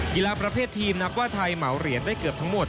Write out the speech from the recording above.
กีฬาประเภททีมนับว่าไทยเหมาเหรียญได้เกือบทั้งหมด